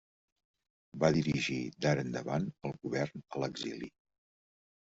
Va dirigir d'ara endavant el govern a l'exili.